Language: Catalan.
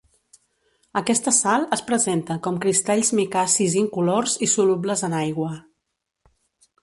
Aquesta sal es presenta com cristalls micacis incolors i solubles en aigua.